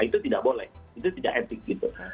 itu tidak boleh itu tidak etik gitu